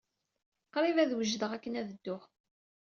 Qrib ad wejdeɣ akken ad dduɣ.